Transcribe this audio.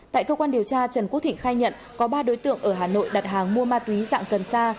tại cơ quan điều tra trần quốc thịnh khai nhận có ba đối tượng ở hà nội đặt hàng mua ma túy dạng cần sa